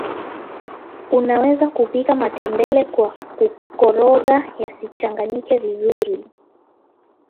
unaweza kupika matembele kwa kukoroga yacganganyike vizuri